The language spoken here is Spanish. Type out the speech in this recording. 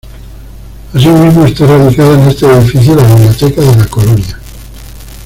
Asimismo está radicada en este edificio la biblioteca de La Colonia.